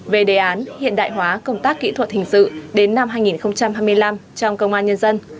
về đề án hiện đại hóa công tác kỹ thuật hình sự đến năm hai nghìn hai mươi năm trong công an nhân dân